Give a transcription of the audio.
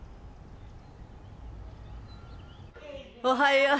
おはよう。